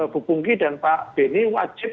bu pungki dan pak beni wajib